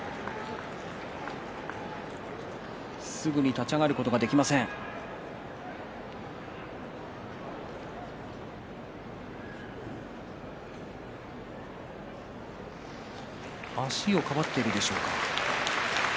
すぐに立ち上がることができません足をかばっているでしょうか。